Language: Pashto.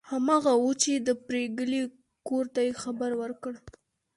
هماغه وه چې د پريګلې کور ته یې خبر ورکړ